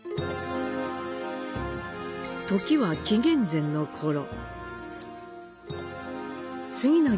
時は、紀元前のころ。